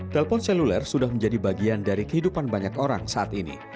telepon seluler sudah menjadi bagian dari kehidupan banyak orang saat ini